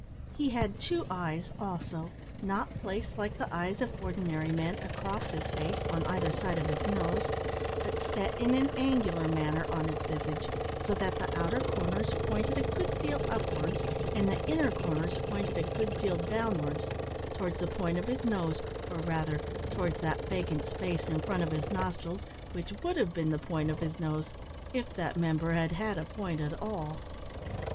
He had two eyes, also, not placed, like the eyes of ordinary men, across his face, on either side of his nose, but set in an angular manner on his visage, so that the outer corners pointed a good deal upwards, and the inner corners pointed a good deal downwards towards the point of his nose, or, rather, towards that vacant space in front of his nostrils which would have been the point of his nose if that member had had a point at all.